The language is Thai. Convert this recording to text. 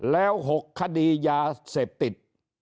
แล้ว๖คดียาเสพติด